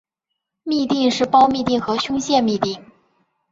嘧啶是胞嘧啶和胸腺嘧啶。